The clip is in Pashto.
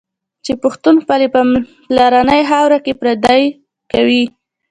چي پښتون په خپلي پلرنۍ خاوره کي پردی کوي